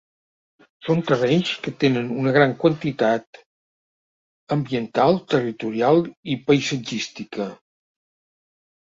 Són terrenys que tenen una gran quantitat ambiental, territorial i paisatgística.